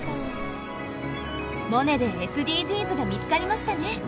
「モネ」でＳＤＧｓが見つかりましたね。